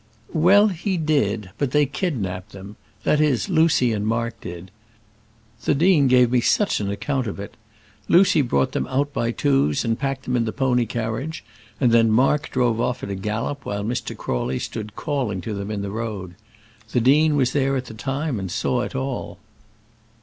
"Well, he did; but they kidnapped them, that is, Lucy and Mark did. The dean gave me such an account of it. Lucy brought them out by twos and packed them in the pony carriage, and then Mark drove off at a gallop while Mr. Crawley stood calling to them in the road. The dean was there at the time and saw it all."